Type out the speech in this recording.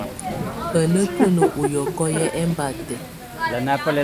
Á ná tùǝ́nǝ́ ù yɔ́kɔ yɛ́ ɛmbátɛ̀.